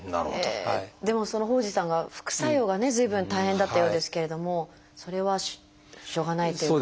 でも傍士さんが副作用がね随分大変だったようですけれどもそれはしょうがないっていうか。